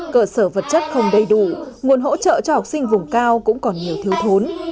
cơ sở vật chất không đầy đủ nguồn hỗ trợ cho học sinh vùng cao cũng còn nhiều thiếu thốn